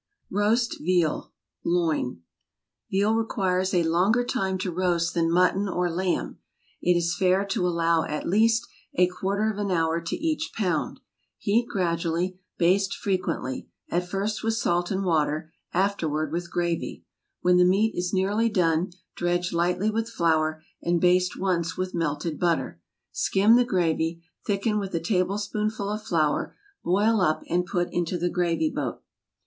ROAST VEAL. LOIN. Veal requires a longer time to roast than mutton or lamb. It is fair to allow at least a quarter of an hour to each pound. Heat gradually, baste frequently—at first with salt and water, afterward with gravy. When the meat is nearly done, dredge lightly with flour, and baste once with melted butter. Skim the gravy; thicken with a tablespoonful of flour, boil up, and put into the gravy boat.